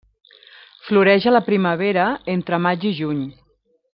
Floreix a la primavera, entre maig i juny.